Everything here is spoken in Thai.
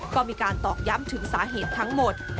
ก็มีการตอกย้ำถึงสาเหตุทั้งหมด